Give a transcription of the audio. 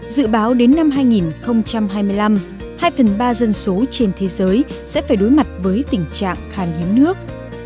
dự báo đến năm hai nghìn hai mươi năm hai phần ba dân số trên thế giới sẽ phải đối mặt với tình trạng khan hiếm nước